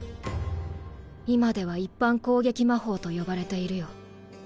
今では一般攻撃魔法と呼ばれているよ。